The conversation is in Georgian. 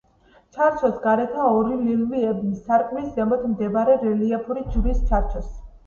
ჩარჩოს გარეთა ორი ლილვი ებმის, სარკმლის ზემოთ მდებარე რელიეფური ჯვრის ჩარჩოს.